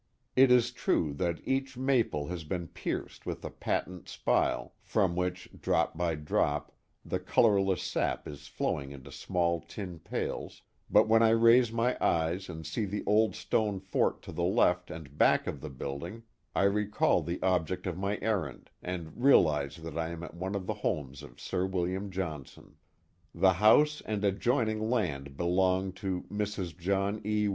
It is true that each maple has been pierced with a patent spile, from which, drop by drop, the colorless sap is flowing into small tin pails, but when I raise my eyes and see the old stone fort to the left and back of the building, I recall the object of my errand, and realize that I am at one of the homes of Sir William Johnson. The house and adjoining land belong to Mrs. John E.